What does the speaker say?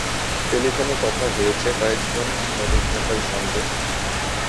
টেলিফোনে কথা হয়েছে কয়েকজন শ্রমিকনেতার সঙ্গে।